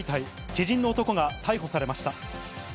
知人の男が逮捕されました。